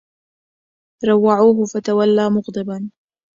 روعوه فتولى مغضبا